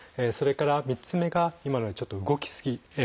それから３つ目が今のようにちょっと「動きすぎ」。